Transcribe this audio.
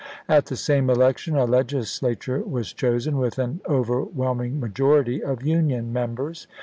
At the same election a Legislature was chosen, with an overwhelming majority of Union members.